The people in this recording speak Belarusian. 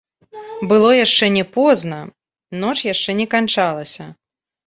Было яшчэ не позна, ноч яшчэ не канчалася.